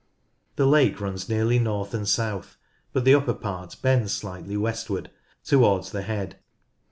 The lake runs nearly north and south, but the upper part bends slightly westward towards the head.